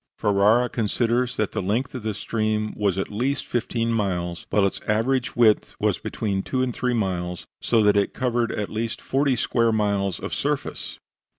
Ferara considers that the length of the stream was at least fifteen miles, while its average width was between two and three miles, so that it covered at least forty square miles of surface.